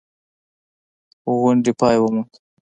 غونډې پای وموند.